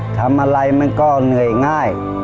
ทำอะไรมันก็เหนื่อยง่าย